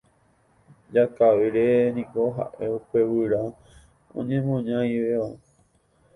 Jakavere niko ha'e upe guyra oñemoña'ivéva.